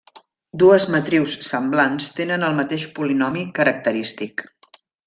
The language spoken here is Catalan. Dues matrius semblants tenen el mateix polinomi característic.